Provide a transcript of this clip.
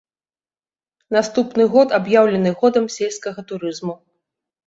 Наступны год аб'яўлены годам сельскага турызму.